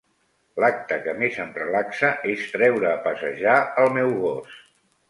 L'acte que més em relaxa és treure a passejar el meu gos.